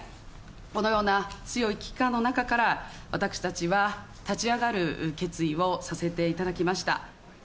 このような強い危機感の中から、私たちは立ち上がる決意をさせていただきました。